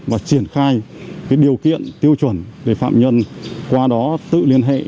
và triển khai điều kiện tiêu chuẩn để phạm nhân qua đó tự liên hệ